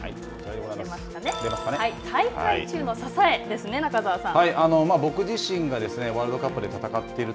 大会中の支えですね、中澤さん。